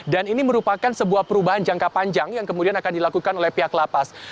dan ini merupakan sebuah perubahan jangka panjang yang kemudian akan dilakukan oleh pihak lapas